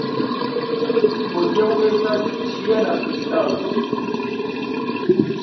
Hodiaŭ estas ŝia naskiĝtago.